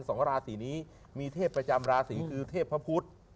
สองราศีนี้มีเทพประจำราศีคือเทพพระพุทธ